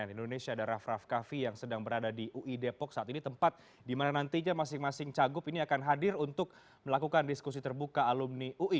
di indonesia ada raff raff kaffi yang sedang berada di ui depok saat ini tempat di mana nantinya masing masing cagup ini akan hadir untuk melakukan diskusi terbuka alumni ui